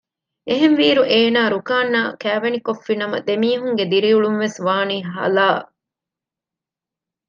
އެހެންވީއިރު އޭނާ ރުކާންއާ ކައިވެނިކޮށްފިނަމަ ދެމީހުންގެ ދިރިއުޅުންވެސް ވާނީ ހަލާއް